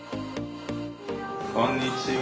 こんにちは。